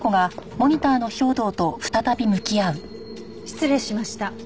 失礼しました。